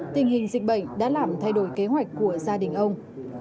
tình hình dịch bệnh đã làm thay đổi kế hoạch của gia đình ông